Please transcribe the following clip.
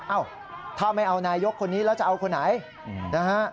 เอ้าถ้าไม่เอานายกคนนี้แล้วจะเอาคนไหนนะฮะ